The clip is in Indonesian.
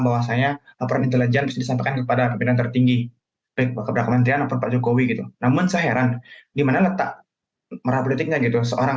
mengat dalam beberapa kesempatan beliau menggil orang